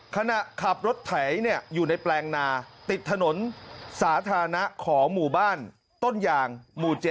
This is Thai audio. ขณะขับรถไถอยู่ในแปลงนาติดถนนสาธารณะของหมู่บ้านต้นยางหมู่๗